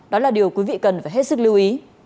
đó là điều quý vị cần phải hết sức lưu ý